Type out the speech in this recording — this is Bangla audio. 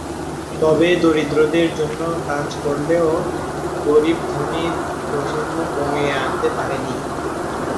তবে দরিদ্রদের জন্য কাজ করলেও গরিব-ধনীর বৈষম্য কমিয়ে আনতে পারেননি।